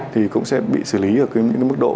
thì cũng sẽ bị xử lý ở những cái mức độ